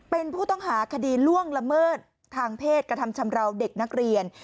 เป็นผู้ต้องหาคดีล่วงละเมิดทางเพศกระทำชำราวเด็กนักเรียน